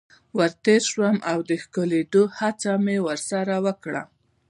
ور تیر شوم او د ښکلېدلو هڅه مې ورسره وکړه.